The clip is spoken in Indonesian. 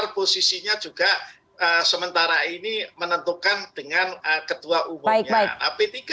posisinya juga sementara ini menentukan dengan ketua umumnya